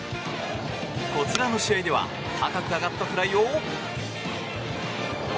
こちらの試合では高く上がったフライを。